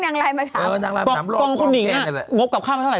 นางลายมาถามเออนางลายมาถามตรงคุณหญิงน่ะงบกลับค่ามาเท่าไหร่